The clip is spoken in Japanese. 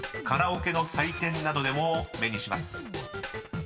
［カラオケの採点などでも目にします］